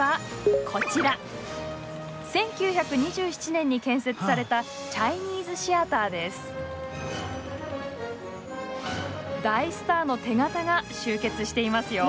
１９２７年に建設された大スターの手形が集結していますよ。